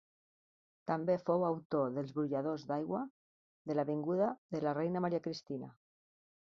També fou autor dels brolladors d'aigua de l'avinguda de la Reina Maria Cristina.